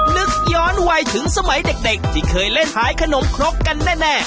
นึกย้อนวัยถึงสมัยเด็กที่เคยเล่นขายขนมครกกันแน่